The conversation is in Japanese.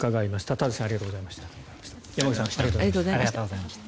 田崎さん、山口さんありがとうございました。